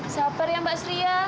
sabar ya mbak sri ya